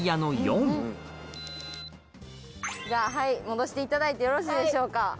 戻していただいてよろしいでしょうか？